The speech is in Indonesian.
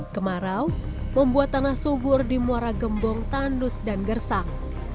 kemarau membuat tanah subur di muara gembong tandus dan gersang